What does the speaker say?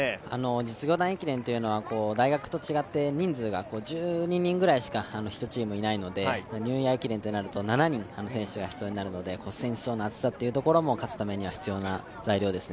実業団駅伝というのは大学と違って人数が１２人ぐらいしか１チームいないのでニューイヤー駅伝となると７人選手が必要になるので、選手層の厚さも勝つためには必要な材料です。